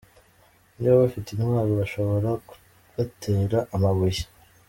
Niba bafite intwaro, mushobora kubatera amabuye.”